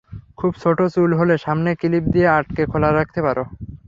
খুব ছোট চুল হলে সামনে ক্লিপ দিয়ে আটকে খোলা রাখতে পারো।